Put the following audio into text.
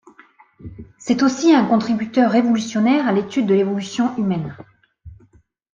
C'est aussi un contributeur révolutionnaire à l'étude de l'évolution humaine.